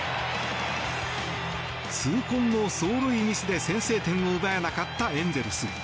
痛恨の走塁ミスで、先制点を奪えなかったエンゼルス。